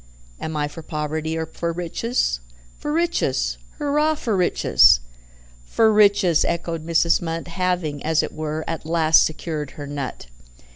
Am I for poverty or for riches? For riches. Hurrah for riches!" "For riches!" echoed Mrs. Munt, having, as it were, at last secured her nut.